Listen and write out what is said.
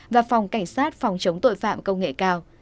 và phòng cảnh sát phòng chống tội phạm công nghệ cao